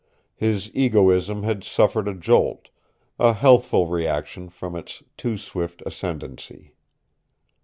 His egoism had suffered a jolt, a healthful reaction from its too swift ascendency.